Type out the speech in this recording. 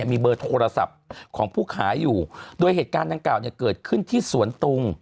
มีเบอร์โทรศัพท์ของผู้ขายอยู่โดยเหตุการณ์ดังกล่าวเนี่ยเกิดขึ้นที่สวนตุง